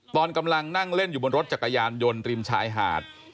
ตอนกำลังนั่งเล่นอยู่บนรถจักรยานยนต์ริมชายหาด